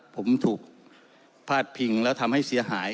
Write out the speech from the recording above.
ผมถูกพาดพิงแล้วทำให้เสียหาย